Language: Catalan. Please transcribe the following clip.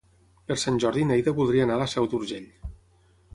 Per Sant Jordi na Neida voldria anar a la Seu d'Urgell.